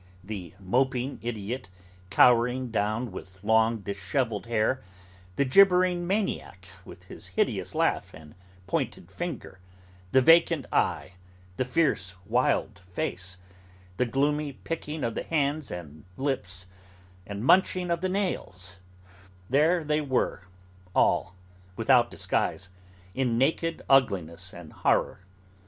The moping idiot, cowering down with long dishevelled hair; the gibbering maniac, with his hideous laugh and pointed finger; the vacant eye, the fierce wild face, the gloomy picking of the hands and lips, and munching of the nails: there they were all, without disguise, in naked ugliness and horror.